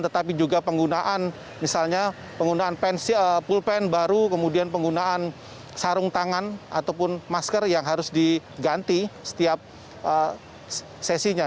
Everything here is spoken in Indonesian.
tetapi juga penggunaan misalnya penggunaan pulpen baru kemudian penggunaan sarung tangan ataupun masker yang harus diganti setiap sesinya